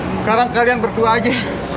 sekarang kalian berdua aja